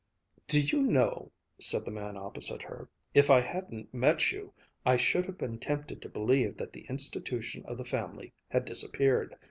"Do you know," said the man opposite her, "if I hadn't met you, I should have been tempted to believe that the institution of the family had disappeared.